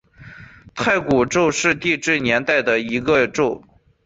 太古宙是地质年代中的一个宙。